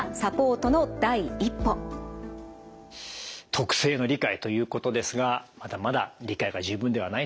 特性の理解ということですがまだまだ理解が十分ではないということなんですね。